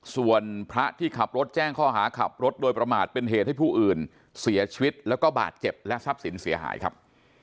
ส่วนพระที่ขับรถแจ้งข้อหาขับรถโดยประมาทเป็นเหตุให้ผู้อื่นเสียชีวิตแล้วก็บาดเจ็บและทรัพย์สินเสียหายครับ